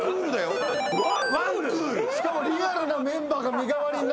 しかもリアルなメンバーが身代わりになってくれる。